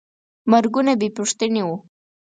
مرګونه بېپوښتنې وو.